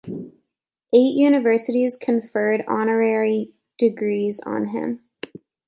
Eight universities conferred honorary degrees on him.